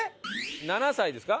７歳ですか？